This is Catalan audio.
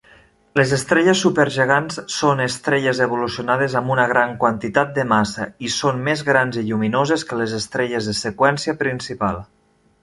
Les estrelles supergegants són estrelles evolucionades amb una gran quantitat de massa, i són més grans i lluminoses que les estrelles de seqüència principal.